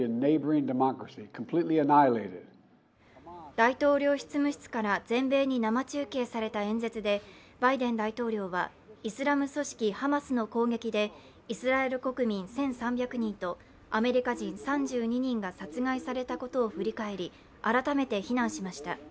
大統領執務室から全米に生中継された演説でバイデン大統領はイスラム組織ハマスの攻撃でイスラエル国民１３００人とアメリカ人３２人が殺害されたことを振り返り、改めて非難しました。